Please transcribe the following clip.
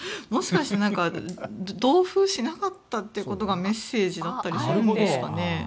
もしかして同封しなかったということがメッセージだったりするんですかね。